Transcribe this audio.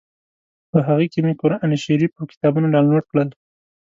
په هغه کې مې قران شریف او کتابونه ډاونلوډ کړل.